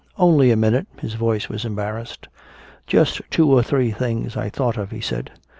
"Only a minute." His voice was embarrassed. "Just two or three things I thought of," he said.